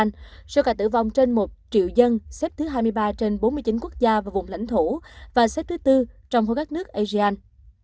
trong số ca tử vong trên một triệu dân xếp thứ hai mươi ba trên bốn mươi chín quốc gia và vùng lãnh thổ và xếp thứ tư trong khối các nước asean